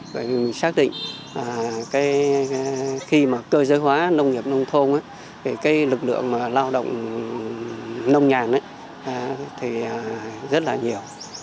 chúng tôi xác định khi cơ giới hóa nông nghiệp nông thôn lực lượng lao động nông nhàn rất là nhiều